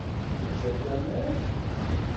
Teǧǧiḍ tamart?